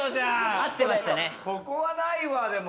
ここはないわ、でも。